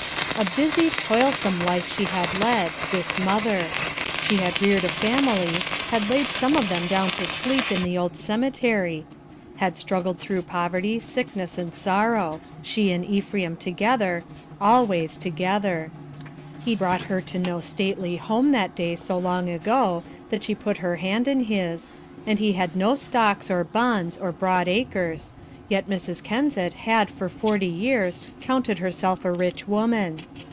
A busy, toilsome life she had led this mother. She had reared a family; had laid some of them down to sleep in the old cemetery; had struggled through poverty, sickness, and sorrow she and Ephraim together always together. He brought her to no stately home that day so long ago, that she put her hand in his, and he had no stocks or bonds or broad acres, yet Mrs. Kensett had for forty years counted herself a rich woman.